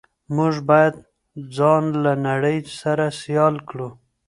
موږ باید ځان له نړۍ سره سیال کړو.